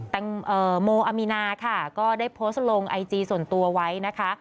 แตงโมอามีนาค่ะก็ได้โพสต์ลงไอจีส่วนตัวไว้นะคะ